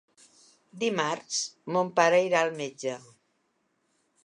Dimarts mon pare irà al metge.